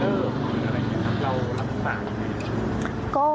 เรารับฝากยังไงครับ